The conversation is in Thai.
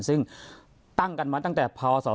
ซึ่งตั้งกันมาตั้งแต่พศ๒๕๖